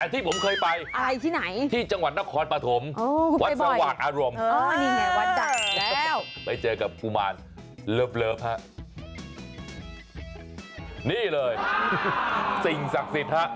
ที่ผมเคยไปที่จังหวัดนครปฐมวัดสวัสดิ์อารมณ์ไปเจอกับกุมารเลิฟนี่เลยสิ่งศักดิ์สิทธิ์